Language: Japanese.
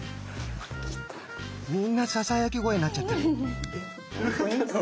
みんなささやき声になっちゃった。